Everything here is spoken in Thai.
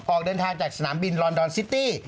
ออกเดินทางจากสนามบินลอนดอนซิตี้